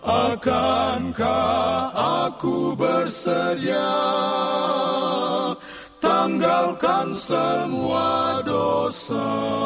akankah aku bersedia tanggalkan semua dosa